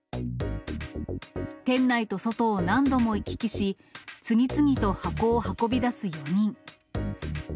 店内と外を何度も行き来し、次々と箱を運び出す４人。